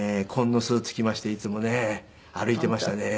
紺のスーツ着ましていつもね歩いていましたね。